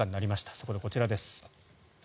そこでこちらです。